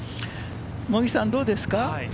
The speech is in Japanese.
茂木さん、どうですか？